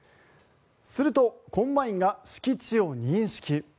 するとコンバインが敷地を認識。